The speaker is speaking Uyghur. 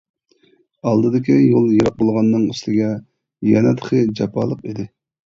ئالدىدىكى يول يىراق بولغاننىڭ ئۈستىگە يەنە تېخى جاپالىق ئىدى.